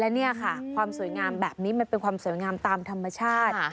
และนี่ค่ะความสวยงามแบบนี้มันเป็นความสวยงามตามธรรมชาติ